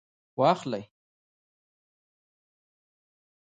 واخلئ